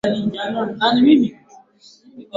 Kasiga ni Mkurugenzi masoko wa bodi ya Utalii Tanzani